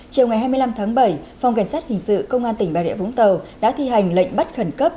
chiều ngày hai mươi năm tháng bảy phòng cảnh sát hình sự công an tỉnh bà rịa vũng tàu đã thi hành lệnh bắt khẩn cấp